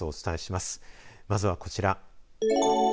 まずはこちら。